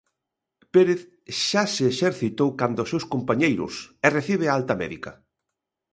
Pérez xa se exercitou canda os seus compañeiros e recibe a alta médica.